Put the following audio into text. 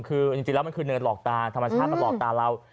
คือจริงแล้วมันคือเนินหลอกตาธรรมชาติมาหลอกตาเรา